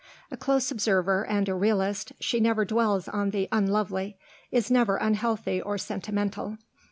A close observer and a realist, she never dwells on the unlovely, is never unhealthy or sentimental.